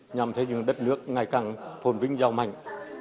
nhằm thấy những đất nước ngày càng phồn vinh giàu mạnh